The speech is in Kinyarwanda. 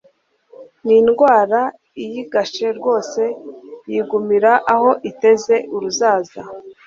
nindwara iyigashe rwose yigumira aho iteze uruzaza